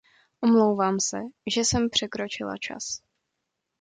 Omlouvám se, že jsem překročila čas.